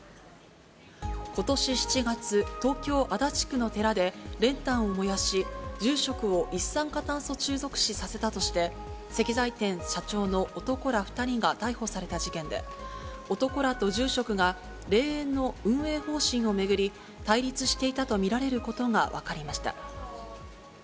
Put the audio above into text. ことし７月、東京・足立区の寺で、練炭を燃やし、住職を一酸化炭素中毒死させたとして、石材店社長の男ら２人が逮捕された事件で、男らと住職が霊園の運営方針を巡り、対立していたと見られることが分かりました。